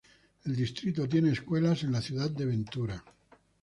El distrito tiene escuelas en la Ciudad de Ventura.